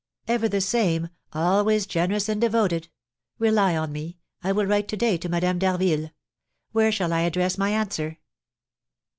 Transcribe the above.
"Ever the same, always generous and devoted! Rely on me. I will write to day to Madame d'Harville. Where shall I address my answer?"